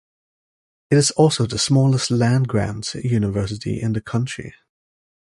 It is also the smallest land-grant university in the country.